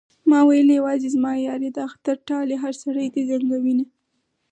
ما ويل يوازې زما يار يې د اختر ټال يې هر سړی دې زنګوينه